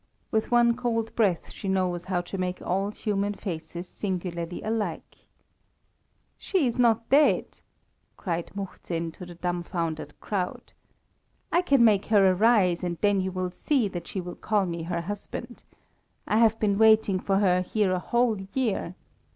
With one cold breath she knows how to make all human faces singularly alike. "She is not dead!" cried Muhzin to the dumfoundered crowd. "I can make her arise, and then you will see that she will call me her husband. I have been waiting for her here a whole year.